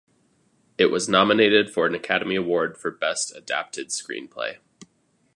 It was nominated for an Academy Award for Best Adapted Screenplay.